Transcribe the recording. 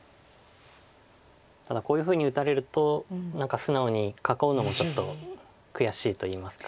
ただこういうふうに打たれると何か素直に囲うのもちょっと悔しいといいますか。